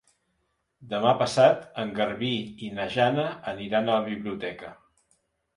Demà passat en Garbí i na Jana aniran a la biblioteca.